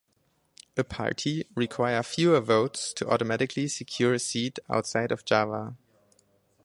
A party require fewer votes to automatically secure a seat outside of Java.